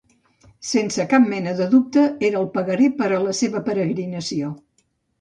Sense cap mena dubte, era el pagaré per a la seva peregrinació.